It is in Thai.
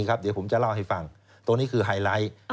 ขายด้วยหรือเปล่า